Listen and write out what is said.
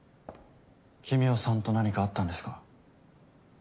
君雄さんと何かあったんですか？